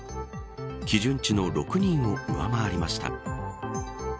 基準値の６人を上回りました。